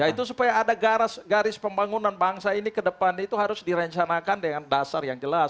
ya itu supaya ada garis pembangunan bangsa ini ke depan itu harus direncanakan dengan dasar yang jelas